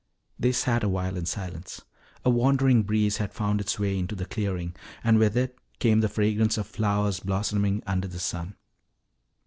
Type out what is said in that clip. They sat awhile in silence. A wandering breeze had found its way into the clearing, and with it came the fragrance of flowers blossoming under the sun.